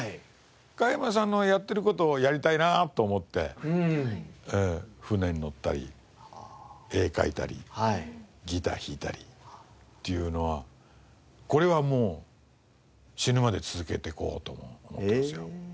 加山さんのやってる事をやりたいなと思って船に乗ったり絵を描いたりギター弾いたりっていうのはこれはもう死ぬまで続けていこうとも思ってますよ。